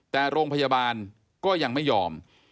แต่โรงพยาบาลก็ยังไม่ยอม